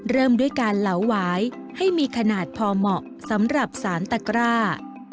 เริ่มด้วยการเหลาหวายให้มีขนาดพอเหมาะสำหรับสารตะกร้า